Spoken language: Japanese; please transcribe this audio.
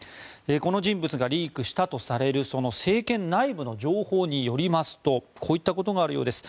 この人物がリークしたとされる政権内部の情報によりますとこういったことがあるようです。